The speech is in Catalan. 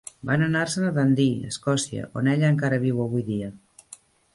Van anar-se'n a Dundee, Escòcia, on ella encara viu avui dia.